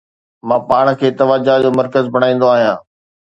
مان پاڻ کي توجه جو مرڪز بڻائيندو آهيان